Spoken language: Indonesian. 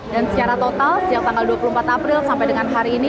dan secara total sejak tanggal dua puluh empat april sampai dengan hari ini